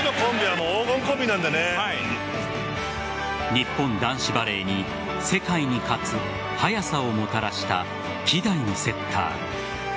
日本男子バレーに世界に勝つ速さをもたらした希代のセッター。